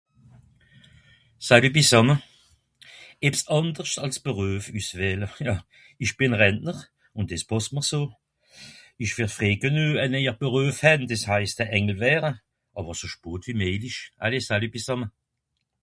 "salüt bisàmme ebs andersch àls bereufüsswähler ja isch be Rentner un des pàssm'r so isch wer frei genue a neuer bereuf hän des heisst a (""anglewäre"") awer so spoot wie meilich allez salüt bisàmme"